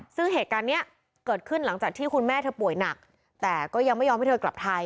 ซึ่งเหตุการณ์นี้เกิดขึ้นหลังจากที่คุณแม่เธอป่วยหนักแต่ก็ยังไม่ยอมให้เธอกลับไทย